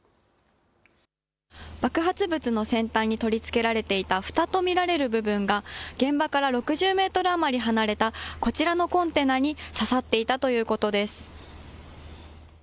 爆発物の先端に取り付けられていた、ふたと見られる部分が、現場から６０メートル余り離れたこちらのコンテナに刺さっていたということです。